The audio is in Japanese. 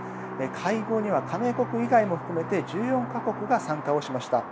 会合には加盟国以外も含めて１４か国が参加をしました。